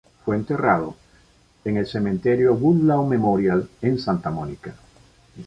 Fue enterrado en el Cementerio Woodlawn Memorial en Santa Mónica.